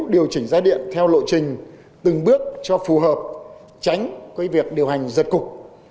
điều chỉnh giá điện theo lộ trình từng bước cho phù hợp tránh việc điều hành giật cục